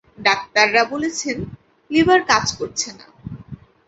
ডাক্তাররা বলেছেন, লিভার কাজ করছে না।